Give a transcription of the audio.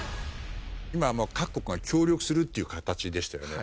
今各国が協力するっていう形でしたよね。